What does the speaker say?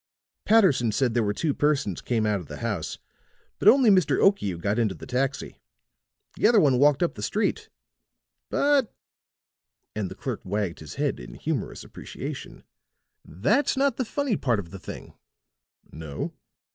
"Patterson said there were two persons came out of the house, but only Mr. Okiu got into the taxi. The other one walked up the street. But," and the clerk wagged his head in humorous appreciation, "that's not the funny part of the thing." "No?"